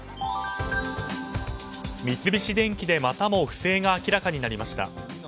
三菱電機で、またも不正が明らかになりました。